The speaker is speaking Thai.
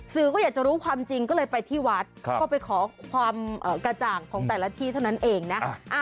ก็อยากจะรู้ความจริงก็เลยไปที่วัดก็ไปขอความกระจ่างของแต่ละที่เท่านั้นเองนะ